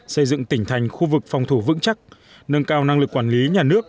xây dựng tỉnh thành khu vực phòng thủ vững chắc nâng cao năng lực quản lý nhà nước